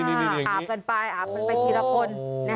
อาบกันไปอาบกันไปทีละคน